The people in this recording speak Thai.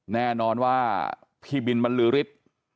แน่นอนว่าพี่บินบรรลือฤทธิ์